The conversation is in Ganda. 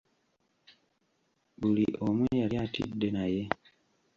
Buli omu yali atidde naye